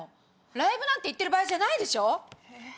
ライブなんて行ってる場合じゃないでしょ！